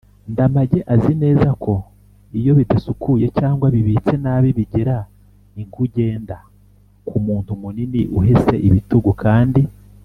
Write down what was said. ndamage azi neza ko iyo bidasukuye cyangwa bibitse nabi bigira inkugenda k’umuntu munini uhese ibitugu kandi